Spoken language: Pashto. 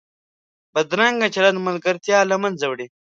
بدرنګه چلند ملګرتیا له منځه وړي